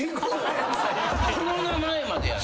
コロナ前までやな。